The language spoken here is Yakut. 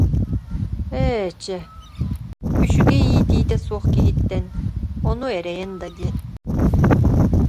Ээ, чэ, үчүгэй иитиитэ суох киһиттэн ону эрэйэн да диэн